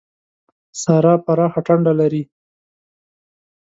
سارا پراخه ټنډه لري.